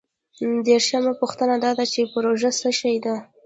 دیرشمه پوښتنه دا ده چې پروژه څه شی ده؟